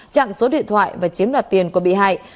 chặn số điện thoại và chiếm đoạt tiền của bị hại